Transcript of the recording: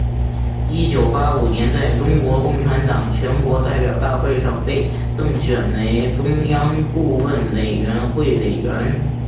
一九八五年在中国共产党全国代表大会上被增选为中央顾问委员会委员。